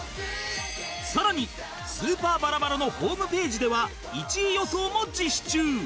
さらにスーパーバラバラのホームページでは１位予想も実施中